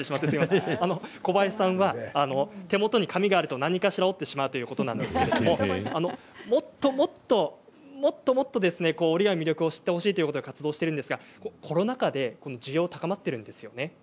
小林さんは手元に紙があると何かしら折ってしまうということなんですけどもっともっと折り紙の魅力を知ってほしいということで活動しているんですがコロナ禍で需要が高まっているんですよね。